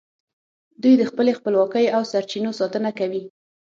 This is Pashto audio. دوی د خپلې خپلواکۍ او سرچینو ساتنه کوي